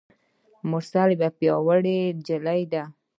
مرسل یوه پیاوړي نجلۍ ده.